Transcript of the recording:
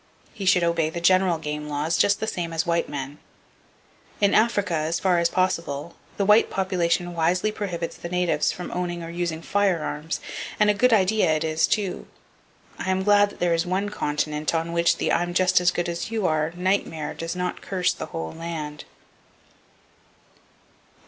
He should obey the general game laws, just the same as white men. In Africa, as far as possible, the white population wisely prohibits the natives from owning or using firearms, and a good idea it is, too. I am glad there is one continent on which the "I'm just as good as you are" nightmare does not curse the whole land.